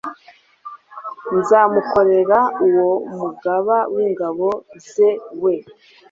nzamukorerauwo mugaba w'ingabo ze, we